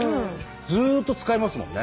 ずっと使えますもんね。